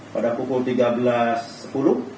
pada pukul tiga belas sepuluh